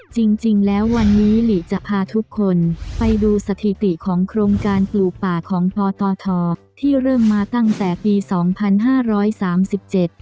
จริงจริงแล้ววันนี้หลีจะพาทุกคนไปดูสถิติของโครงการปลูกป่าของพตทที่เริ่มมาตั้งแต่ปีสองพันห้าร้อยสามสิบเจ็ด